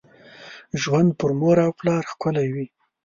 ژوند پر مور او پلار ښکلي وي .